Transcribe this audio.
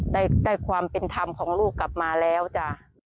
ได้ความเป็นธรรมของลูกกลับมาแล้วจ้ะ